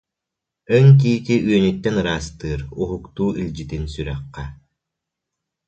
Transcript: Өҥ тиити үөнүттэн ыраастыыр, Уһуктуу илдьитин сүрэххэ